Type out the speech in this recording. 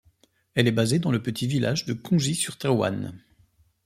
Elle est basée dans le petit village de Congis-sur-Therouanne.